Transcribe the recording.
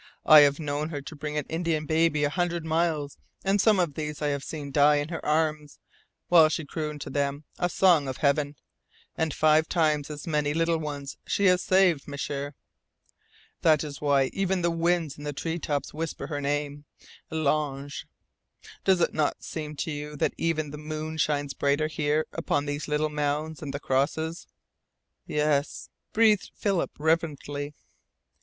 I have known her to bring an Indian baby a hundred miles, and some of these I have seen die in her arms, while she crooned to them a song of Heaven. And five times as many little ones she has saved, M'sieur. That is why even the winds in the treetops whisper her name, L'Ange! Does it not seem to you that even the moon shines brighter here upon these little mounds and the crosses?" "Yes," breathed Philip reverently.